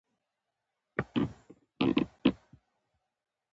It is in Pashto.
د سرو زرو، سپینو زرو، اوسپنې، مسو او سربو په راویستلو کې فعالیت کېده.